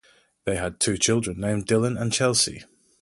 They had two children named Dylan and Chelsea.